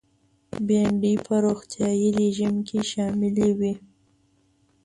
بېنډۍ په روغتیایي رژیم کې شامله وي